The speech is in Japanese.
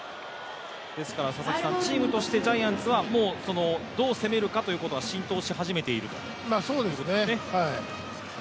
チームとしてジャイアンツはどう攻めるかということは浸透し始めている？